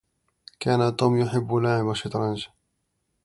كان توم يحب لعب الشطرنج